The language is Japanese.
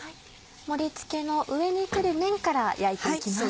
盛り付けの上にくる面から焼いていきます。